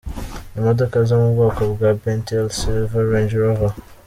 imodoka zo mu bwoko bwa Bentley, Silver Range Rover,.